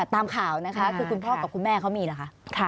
ตามข่าวนะคะคือคุณพ่อกับคุณแม่เขามีเหรอคะ